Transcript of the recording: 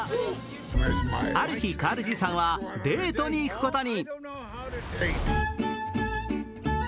ある日、カールじいさんはデートに行くことに。